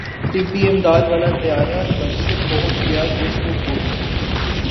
ای R C طبی امداد والا طیارہ دمشق پہنچ گیا جس سے کوویڈ